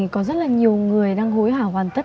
có rất là nhiều người đang hối hả hoàn tất